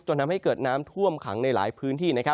ทำให้เกิดน้ำท่วมขังในหลายพื้นที่